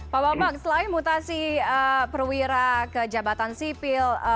pak bapak pak selain mutasi perwira ke jabatan sipil eee